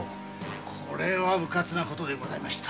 これはウカツなことでございました。